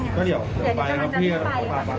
เดี๋ยวนี้กำลังจะได้ไป